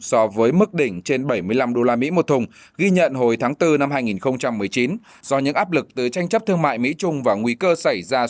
so với mức đỉnh trên bảy usd